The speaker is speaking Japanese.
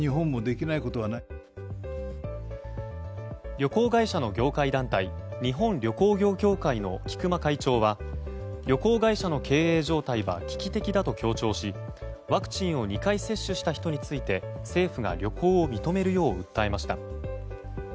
旅行会社の業界団体日本旅行業界の菊間会長は旅行会社の経営状態は危機的だと強調しワクチンを２回接種した人について政府が旅行を認めるよう訴えました。